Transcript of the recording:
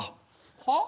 はっ？